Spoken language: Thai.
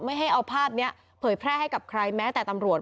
ไม่ให้เอาภาพนี้เผยแพร่ให้กับใครแม้แต่ตำรวจ